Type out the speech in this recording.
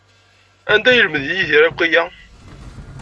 Anda ay yelmed Yidir akk aya?